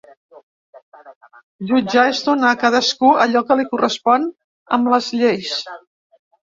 Jutjar és donar a cadascú allò que li correspon amb les lleis.